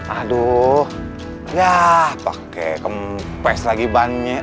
aduh ya pakai kempes lagi bannya